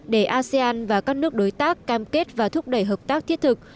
để asean và các nước đối tác cam kết và thúc đẩy hợp tác thiết thực